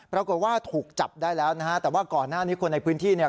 ปรากฏว่าถูกจับได้แล้วนะฮะแต่ว่าก่อนหน้านี้คนในพื้นที่เนี่ย